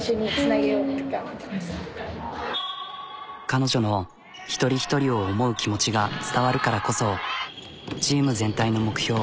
彼女の一人一人を思う気持ちが伝わるからこそチーム全体の目標